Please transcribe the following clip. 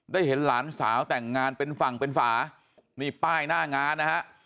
เห็นหลานสาวแต่งงานเป็นฝั่งเป็นฝานี่ป้ายหน้างานนะฮะ